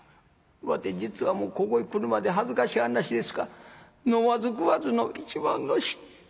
わて実はもうここへ来るまで恥ずかしい話ですが飲まず食わずの一文無し」。